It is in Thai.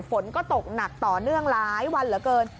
ฝนก็ตกหนักต่อเนื่องหลายวันเหลือเกิน